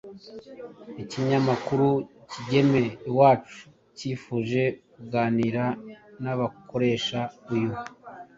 Ikinyamakuru Kigeme Iwacu kifuje kuganira n’abakoresha uyu